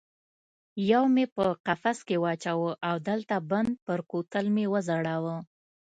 یو مې په قفس کې واچاوه او د لته بند پر کوتل مې وځړاوه.